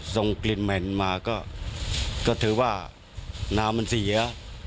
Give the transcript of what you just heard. ส่งกลิ่นเหม็นมาก็ถือว่าน้ำมันเสีย